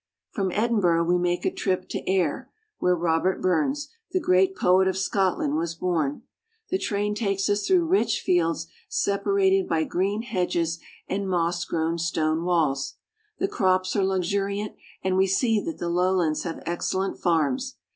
From Edinburgh we make a trip to Ayr, where Robert Burns, the great poet of Scotland, was born. The train takes us through rich fields separated by green hedges and moss grown stone walls. *The crops are luxuriant, and we see that the lowlands have excellent farms.